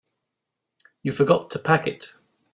You forgot to pack it.